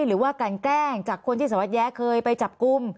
หรือว่ากันแกล้งจากคนที่สารวัสแย้เคยไปจับกลุ่ม